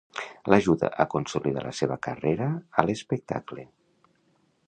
L'ajuda a consolidar la seva carrera a l'espectacle.